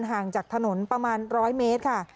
ห่างจากถนนประมาณ๑๐๐เมตรค่ะ